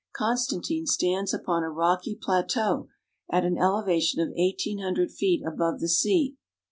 ConsCantine stands upon a rocky plateau at an elevation of eighteen hundred feet above the sea.